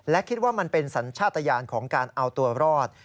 และคิดว่ามันเป็นสัญชาติยานของการเอาตัวรอด